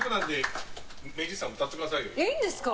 いいんですか？